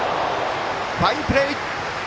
ファインプレー！